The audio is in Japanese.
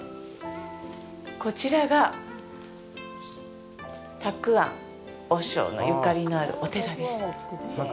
こちらが、沢庵和尚のゆかりのあるお寺です。